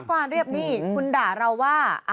ความเรียบหนี้คุณด่าเราว่า